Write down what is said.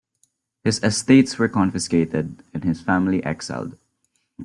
His estates were confiscated and his family exiled.